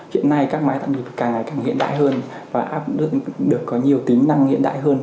hiện nay các máy tạo nghiệp càng ngày càng hiện đại hơn và áp được có nhiều tính năng hiện đại hơn